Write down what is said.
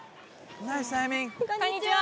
こんにちは。